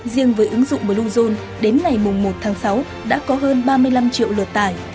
riêng với ứng dụng bluezone đến ngày một tháng sáu đã có hơn ba mươi năm triệu lượt tải